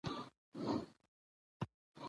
د متحده ایالاتو د ونډو شاخصونو مخلوط فعالیت درلود